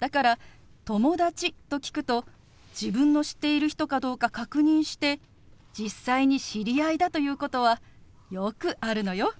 だから友達と聞くと自分の知っている人かどうか確認して実際に知り合いだということはよくあるのよ。